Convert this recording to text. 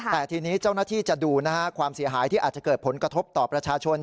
แต่ทีนี้เจ้าหน้าที่จะดูนะฮะความเสียหายที่อาจจะเกิดผลกระทบต่อประชาชน